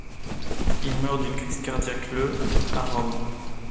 Il meurt d'une crise cardiaque le à Rome.